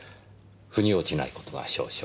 腑に落ちない事が少々。